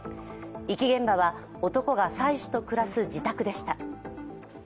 遺棄現場は、男が妻子と暮らす自宅でした。